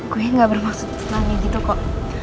gue gak bermaksud senangnya gitu kok